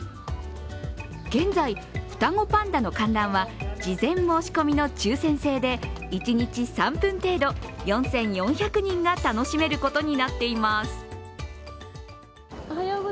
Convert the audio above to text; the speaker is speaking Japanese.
現在、双子パンダの観覧は事前申し込みの抽選制で一日３分程度、４４００人が楽しめることになっています。